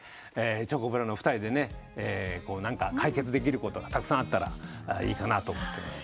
チョコプラの２人で解決できることがたくさんあったらいいかなと思っています。